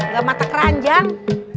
gak mata keranjang